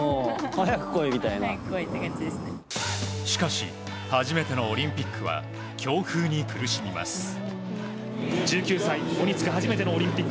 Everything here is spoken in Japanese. しかし初めてのオリンピックは強風に苦しみます。